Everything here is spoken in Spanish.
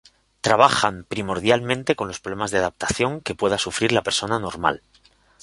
Trabajan primordialmente con los problemas de adaptación que pueda sufrir la persona "normal".